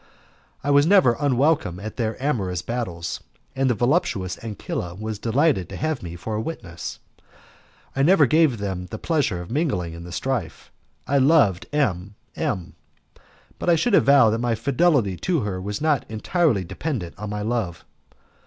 I was never unwelcome at their amorous battles, and the voluptuous Ancilla was delighted to have me for a witness. I never gave them the pleasure of mingling in the strife. I loved M M , but I should avow that my fidelity to her was not entirely dependent on my love.